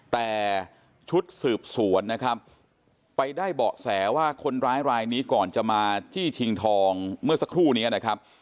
แต่ชุดสืบสวนนะครับไปได้เบาะแสว่าคนร้ายรายนี้ก่อนจะมาจี้ชิงทองเมื่อสักครู่นี้นะครับ